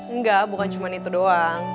enggak bukan cuma itu doang